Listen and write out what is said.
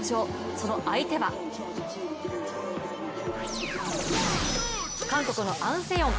その相手は、韓国のアン・セヨン。